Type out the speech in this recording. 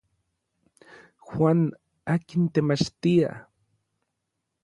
Juan akin temachtia.